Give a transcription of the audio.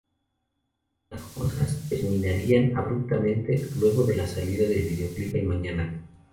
Las cosas terminarían abruptamente luego de la salida del videoclip "El Mañana".